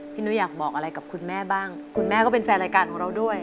นุ้ยอยากบอกอะไรกับคุณแม่บ้างคุณแม่ก็เป็นแฟนรายการของเราด้วย